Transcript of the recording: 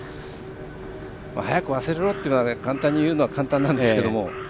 早く忘れろって言うのを言うのは簡単なんですけど。